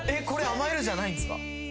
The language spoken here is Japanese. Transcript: これ甘えるじゃないんですか？